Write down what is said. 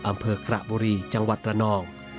อำเภอกระบุรีจังหวัดระนอง